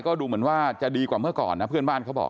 ก็ดูเหมือนว่าจะดีกว่าเมื่อก่อนนะเพื่อนบ้านเขาบอก